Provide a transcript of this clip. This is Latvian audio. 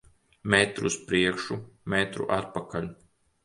Metru uz priekšu, metru atpakaļ.